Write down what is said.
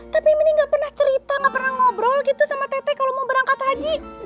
tapi mending gak pernah cerita gak pernah ngobrol gitu sama tete kalau mau berangkat haji